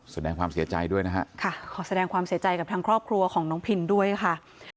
แสดงความเสียใจด้วยนะฮะค่ะขอแสดงความเสียใจกับทางครอบครัวของน้องพินด้วยค่ะ